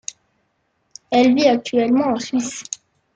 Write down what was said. Elle vit actuellement en Suisse.